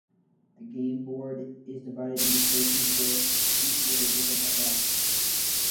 The game board is divided into thirteen squares, each with a different effect.